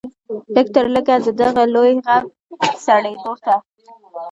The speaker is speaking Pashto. لږ تر لږه د دغه لوی غم سړېدلو ته.